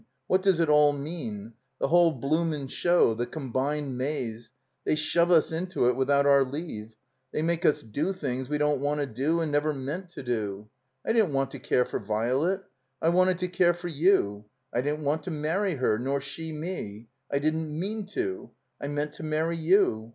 What does it all mean? The whole bloomin' show? The Com bined Maze? They shove us into it without our leave. They make us do things we don't want to do and never meant to do. I didn't want to care for Virelet. I wanted to care for you. I didn't want to marry her, nor she me. I didn't mean to. I meant to marry you.